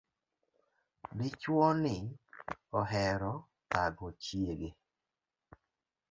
Dichuo ni ohero thago chiege